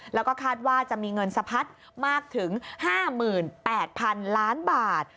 แล้วก็คาดว่าจะมีเงินสะพัดมากถึง๕๘๐๐๐ล้านบาท